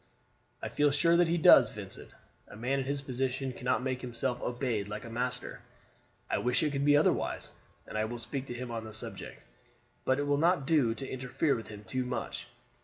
"I feel sure that he does, Vincent. A man in his position cannot make himself obeyed like a master. I wish it could be otherwise, and I will speak to him on the subject; but it will not do to interfere with him too much.